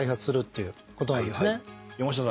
山下さん